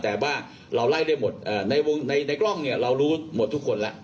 แต่ว่าเราไล่ได้หมดในกล้องเนี่ยเรารู้หมดทุกคนแล้ว